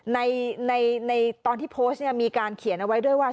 ในตอนที่โพสต์เนี่ยมีการเขียนเอาไว้ด้วยว่า